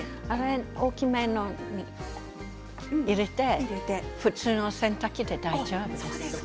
大きめのに入れて普通の洗濯機で大丈夫です。